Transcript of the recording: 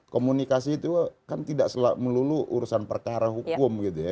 komunikasi itu kan tidak melulu urusan perkara hukum gitu ya